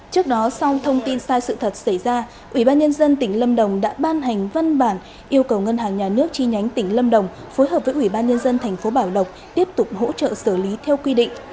trước đó sau thông tin sai sự thật xảy ra ủy ban nhân dân tỉnh lâm đồng đã ban hành văn bản yêu cầu ngân hàng nhà nước chi nhánh tỉnh lâm đồng phối hợp với ủy ban nhân dân tp bảo lộc tiếp tục hỗ trợ xử lý theo quy định